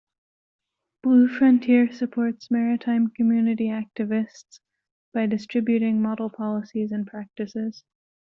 Blue Frontier supports maritime community activists by distributing model policies and practices.